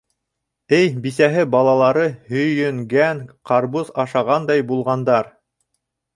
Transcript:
— Эй, бисәһе, балалары һөйөнгән, ҡарбуз ашағандай булғандар.